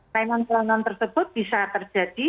kelainan kelainan tersebut bisa terjadi